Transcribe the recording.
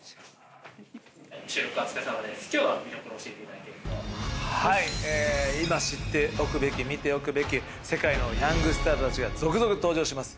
今知っておくべき見ておくべき世界のヤングスターたちが続々登場します。